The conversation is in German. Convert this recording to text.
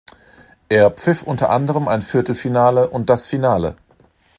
Er pfiff unter anderem ein Viertelfinale und das Finale.